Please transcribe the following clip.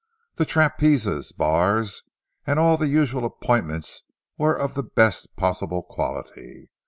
The trapezes, bars, and all the usual appointments were of the best possible quality.